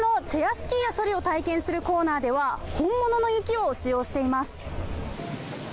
スキーやそりを体験するコーナーでは本物の雪を使用しています。